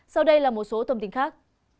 sau đây là một số thông tin khác